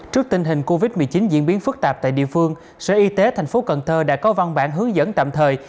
trước tình hình covid một mươi chín diễn biến phức tạp tại địa phương sở y tế tp cn đã có văn bản hướng dẫn tạm thời